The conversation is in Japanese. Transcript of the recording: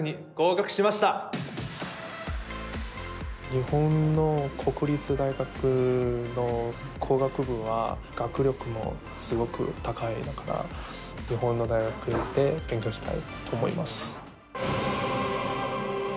日本の国立大学の工学部は学力もすごい高いだから日本の大学で勉強したいと思います。